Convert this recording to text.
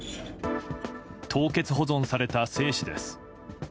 凍結保存された精子です。